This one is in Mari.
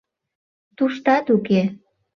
Туштат уке.